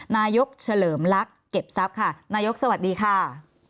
นายกเฉลิมลักษณ์เก็บทรัพย์ค่ะนายกสวัสดีค่ะ